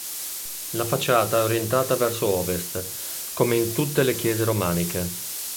La facciata è orientata verso ovest, come in tutte le chiese romaniche.